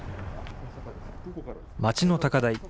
町の高台。